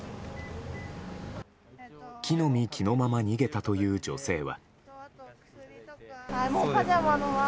着の身着のまま逃げたという女性は。